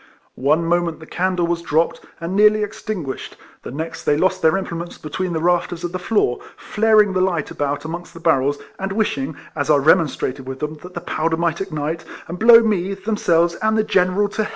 One moment the candle was dropped, and nearly extinguished ; the next they lost their implements between the rafters of the floor, flaring the light about amongst the barrels ; and wishing, as I remonstrated with ELFLEMAN HARRIS. 159 them, that the powder might ignite, and blow me, themselves, and the General to